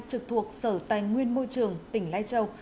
trực thuộc sở tài nguyên môi trường tỉnh lai châu